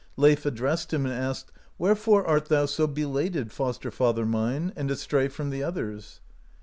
Leif ad dressed him, and asked: "Wherefore art thou so bela ted, foster father mine, and astray from the others?